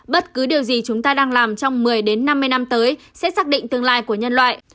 bất cứ điều gì chúng ta đang làm trong một mươi năm mươi năm tới sẽ xác định tương lai của nhân loại